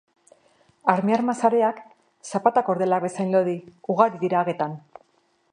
Armiarma-sareak, zapata-kordelak bezain lodi, ugari dira hagetan.